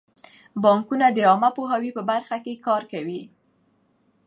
بانکونه د عامه پوهاوي په برخه کې کار کوي.